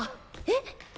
えっ！